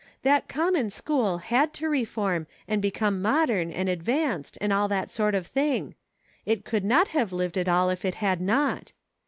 That common school had to reform, and become modern, and ad vanced, and all that sort of thing ; it could not have lived at all if it had not.